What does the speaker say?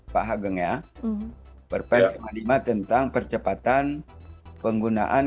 pak hageng ya perpres lima puluh lima tentang percepatan penggunaan